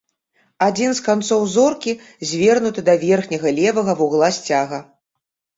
Адзін з канцоў зоркі звернуты да верхняга левага вугла сцяга.